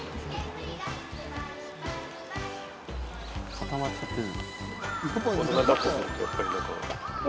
固まっちゃってる。